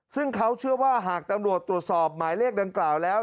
ซึ่งเขาเชื่อว่าหากตำรวจตรวจสอบหมายเลขดังกล่าวแล้ว